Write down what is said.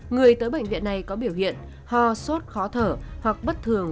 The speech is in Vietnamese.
người tới bệnh viện này có biểu hiện ho sốt khó thở hoặc bất thường